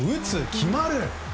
決まる。